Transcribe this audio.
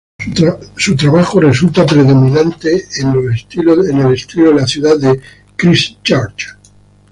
Su trabajo resulta predominante en el estilo de la ciudad de Christchurch.